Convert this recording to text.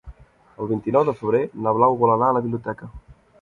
El vint-i-nou de febrer na Blau vol anar a la biblioteca.